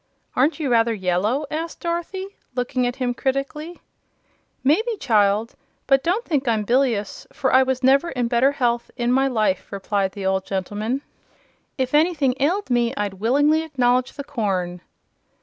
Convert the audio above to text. "Aren't you rather yellow?" asked Dorothy, looking at him critically. "Maybe, child. But don't think I'm bilious, for I was never in better health in my life," replied the old gentleman. "If anything ailed me, I'd willingly acknowledge the corn."